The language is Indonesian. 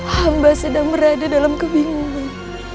hamba sedang berada dalam kebingungan